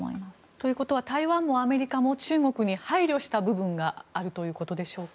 ということは台湾もアメリカも中国に配慮した部分があるということでしょうか？